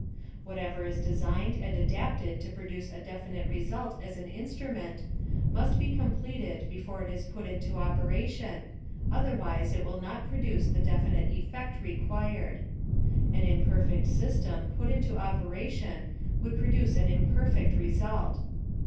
Whatever is designed and adapted to produce a definite result as an instrument, must be completed before it is put into operation, otlierwise it will not produce the definite effect required. An imperfect system put into operation would produce an imperfect result.